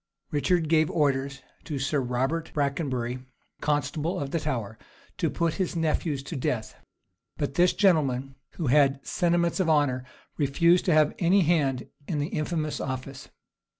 Richard gave orders to Sir Robert Brakenbury, constable of the Tower, to put his nephews to death; but this gentleman, who had sentiments of honor, refused to have any hand in the infamous office.